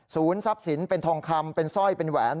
ทรัพย์สินเป็นทองคำเป็นสร้อยเป็นแหวน